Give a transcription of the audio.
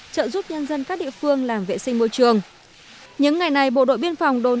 trợ giúp nhân dân các địa phương làm vệ sinh môi trường những ngày này bộ đội biên phòng đồn